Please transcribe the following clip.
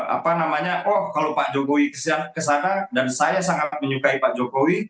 apa namanya oh kalau pak jokowi kesana dan saya sangat menyukai pak jokowi